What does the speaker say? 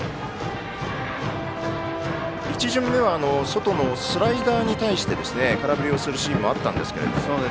１巡目は外のスライダーに対して空振りするシーンもあったんですけれども。